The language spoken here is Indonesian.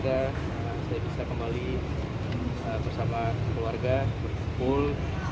saya bisa kembali bersama keluarga berkumpul